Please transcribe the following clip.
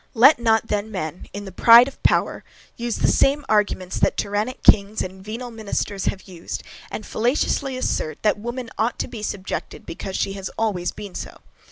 Let not men then in the pride of power, use the same arguments that tyrannic kings and venal ministers have used, and fallaciously assert, that woman ought to be subjected because she has always been so.